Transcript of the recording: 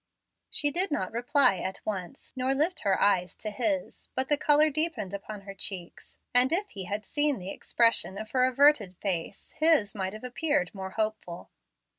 She did not reply at once, nor lift her eyes to his, but the color deepened upon her cheeks; and if he had seen the expression of her averted face, his might have appeared more hopeful.